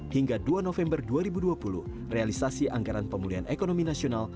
hingga dua november dua ribu dua puluh realisasi anggaran pemulihan ekonomi nasional